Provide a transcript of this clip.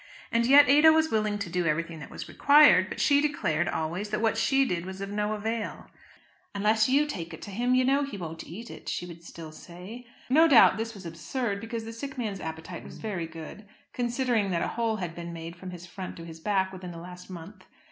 And yet Ada was willing to do everything that was required; but she declared always that what she did was of no avail. "Unless you take it to him, you know he won't eat it," she would still say. No doubt this was absurd, because the sick man's appetite was very good, considering that a hole had been made from his front to his back within the last month.